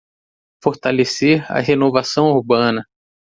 Fortalecer a renovação urbana